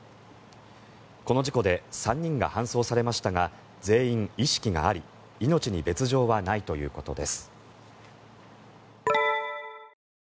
この事故で３人が搬送されましたが全員意識があり命に別条はないということです。